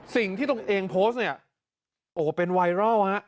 สิ่งที่ตัวเองโพสต์เนี่ยโอ้โหเป็นไวรัลฮะ